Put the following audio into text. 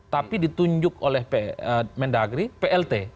tapi ditunjuk oleh menda agri plt